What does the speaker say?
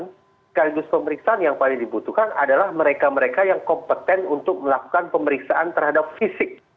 sekaligus pemeriksaan yang paling dibutuhkan adalah mereka mereka yang kompeten untuk melakukan pemeriksaan terhadap fisik